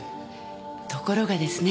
ところがですね